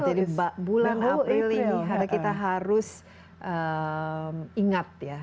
jadi bulan april ini kita harus ingat ya